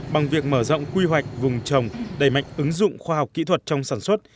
bằng việc mở rộng quy hoạch vùng trồng đầy mạnh ứng dụng khoa học kỹ thuật trong sản xuất